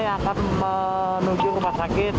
yang akan menuju rumah sakit